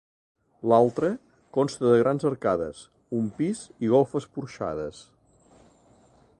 L'altre, consta de grans arcades, un pis i golfes porxades.